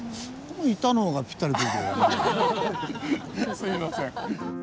すみません。